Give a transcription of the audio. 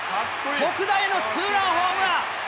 特大のツーランホームラン。